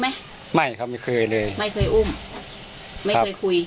เคยอุ้มไหมไม่เคยอุ้มไม่เคยคุย